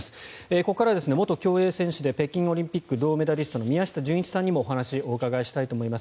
ここからは元競泳選手で北京オリンピック銅メダリストの宮下純一さんにもお話をお伺いしたいと思います。